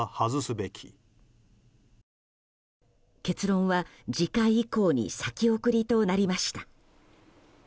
結論は次回以降に先送りとなりました。